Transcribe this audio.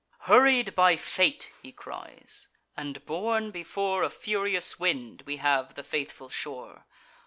"Hurried by fate," he cries, "and borne before A furious wind, we have the faithful shore.